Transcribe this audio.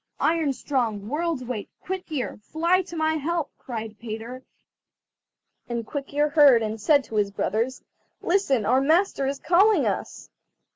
"Iron strong, World's weight, Quick ear, fly to my help!" cried Peter; and Quick ear heard, and said to his brothers: "Listen, our master is calling us."